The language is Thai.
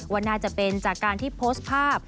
ว่าน่าจะเป็นจากการที่โพสต์ภาพ